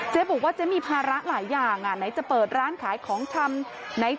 บอกว่าเจ๊มีภาระหลายอย่างไหนจะเปิดร้านขายของชำ